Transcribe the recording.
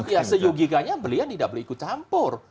ya seyogikanya beliau tidak boleh ikut campur